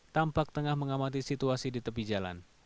tampak tengah mengamati situasi di tepi jalan